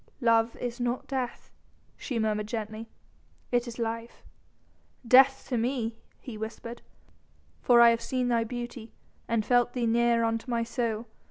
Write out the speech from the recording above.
"Love is not death," she murmured gently. "It is life." "Death to me," he whispered, "for I have seen thy beauty and felt thee near unto my soul.